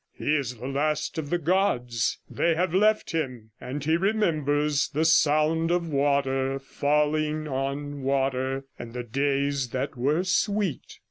He is the last of the gods; they have left him, and he remembers the sound of water falling on water, and the days that were sweet.'